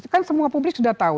kan semua publik sudah tahu